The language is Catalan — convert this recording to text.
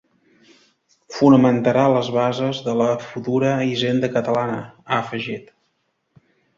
Fonamentarà les bases de la futura hisenda catalana, ha afegit.